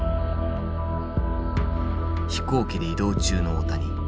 飛行機で移動中の大谷。